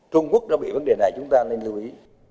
trung quốc đã bị vấn đề này chúng ta nên lưu ý